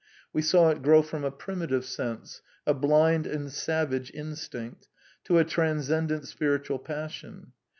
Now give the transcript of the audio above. We saw it grow from a primi tive sense, a blind and savage instinct, to a transcendent spiritual passion.